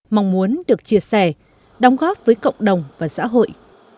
mong muốn được chia sẻ đóng góp với cộng đồng và xã hội